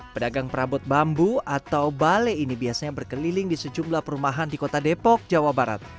pedagang perabot bambu atau bale ini biasanya berkeliling di sejumlah perumahan di kota depok jawa barat